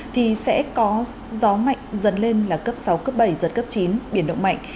thì sẽ có gió mạnh dần lên là cấp sáu cấp bảy giật cấp chín biển động mạnh